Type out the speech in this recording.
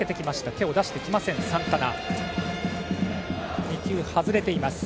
手を出してきません、サンタナ。